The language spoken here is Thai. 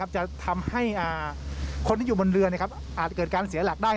จะทำให้คนที่อยู่บนเรืออาจเกิดการเสียหลักได้